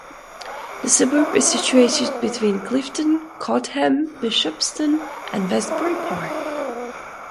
The suburb is situated between Clifton, Cotham, Bishopston and Westbury Park.